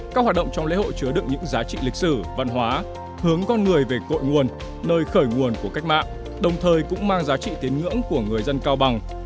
các hoạt động trong lễ hội chứa đựng những giá trị lịch sử văn hóa hướng con người về cội nguồn nơi khởi nguồn của cách mạng đồng thời cũng mang giá trị tiến ngưỡng của người dân cao bằng